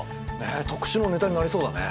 特集のネタになりそうだね。